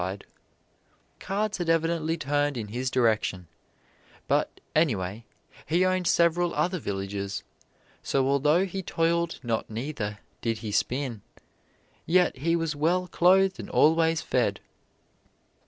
The cards had evidently turned in his direction, but anyway, he owned several other villages, so although he toiled not neither did he spin, yet he was well clothed and always fed.